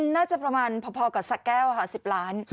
น่าจะประมาณพอกับสะแก้วค่ะ๑๐ล้าน